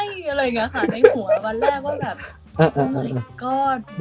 ในหัววันแรกว่าแบบ